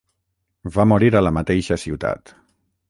Va morir a la mateixa ciutat.